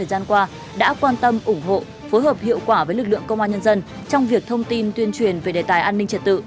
đã quan tâm ủng hộ phối hợp hiệu quả với lực lượng công an nhân dân trong việc thông tin tuyên truyền về đề tài an ninh trật tự